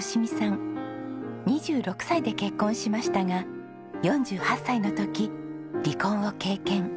２６歳で結婚しましたが４８歳の時離婚を経験。